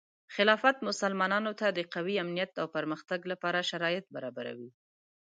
خلافت مسلمانانو ته د قوي امنیت او پرمختګ لپاره شرایط برابروي.